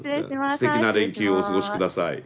すてきな連休をお過ごし下さい。